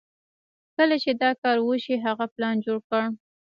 کله چې دا کار وشو هغه پلان جوړ کړ.